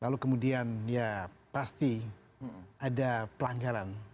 kalau kemudian ya pasti ada pelanggaran